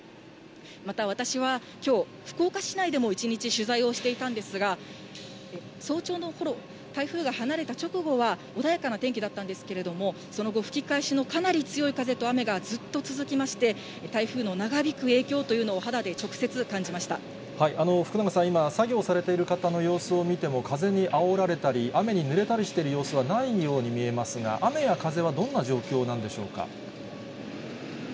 また、私はきょう、福岡市内でも一日取材をしていたんですが、早朝のころ、台風が離れた直後は穏やかな天気だったんですけれども、その後、吹き返しのかなり強い風と雨がずっと続きまして、台風の長引く影福永さん、今、作業されている方の様子を見ても、風にあおられたり、雨にぬれたりしている様子はないように見えますが、雨や風はどんな状況なんでしょうか？